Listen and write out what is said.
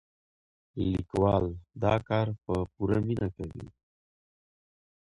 لیکوال دا کار په پوره مینه کوي.